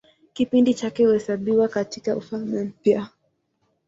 Kipindi chake huhesabiwa katIka Ufalme Mpya.